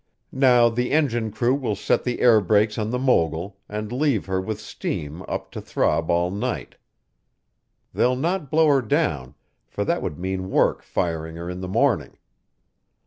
Now, the engine crew will set the airbrakes on the mogul and leave her with steam up to throb all night; they'll not blow her down, for that would mean work firing her in the morning.